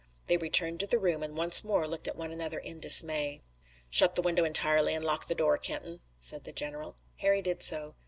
They returned to the room, and once more looked at one another in dismay. "Shut the window entirely and lock the door, Kenton," said the general. Harry did so.